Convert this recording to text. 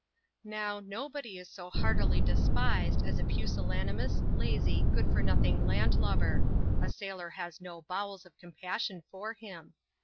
Now, nobody is so heartily despised as a pusillanimous, lazy, good for nothing land lubber ; a sailor has no bowels of com passion for him.